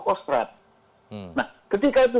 kostrad nah ketika itu